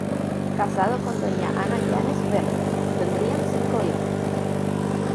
Casado con Doña Ana Yanes Ferro, tendrían cinco hijos.